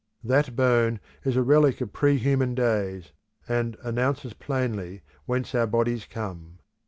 That bone is a relic of pre human days, and announces plainly whence our bodies come.